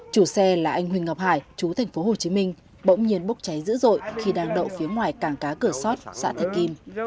chủ xe là anh huỳnh ngọc hải chú thành phố hồ chí minh bỗng nhiên bốc cháy dữ dội khi đang đậu phía ngoài cảng cá cửa sót xã thạch kim